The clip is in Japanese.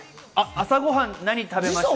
朝ご飯は何食べました？